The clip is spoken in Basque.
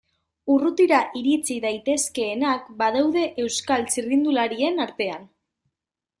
Urrutira iritsi daitezkeenak badaude Euskal txirrindularien artean.